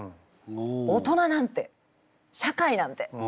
大人なんて社会なんてみたいな。